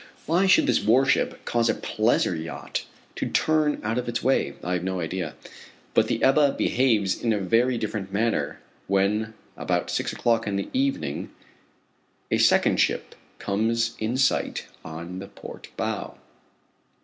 Why should this warship cause a pleasure yacht to turn out of its way? I have no idea. But the Ebba behaves in a very different manner when about six o'clock in the evening a second ship comes in sight on the port bow.